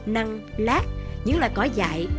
năng lát những loài cỏ dại